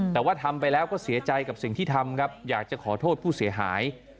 แต่ว่าทำไปแล้วก็เสียใจกับสิ่งที่ทำครับอยากจะขอโทษผู้เสียหาย